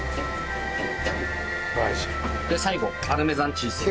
で最後パルメザンチーズを。